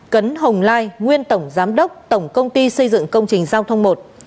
hai cấn hồng lai nguyên tổng giám đốc tổng công ty xây dựng công trình giao thông một